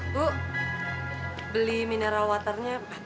bu beli mineral waternya